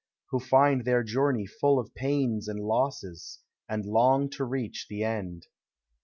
— Who find their journey full of pains and losses. And long to reach the end.